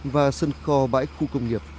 và sân kho bãi khu công nghiệp